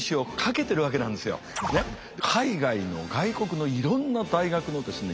海外の外国のいろんな大学のですね